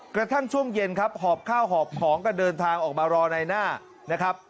กระทั่งช่วงเย็นครับหอบข้าวหอบของกันเดินทางออกมารอในหน้านะครับ